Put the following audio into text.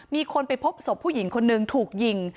มีคนไปพบศพผู้หญิงคนนึงถูกยิง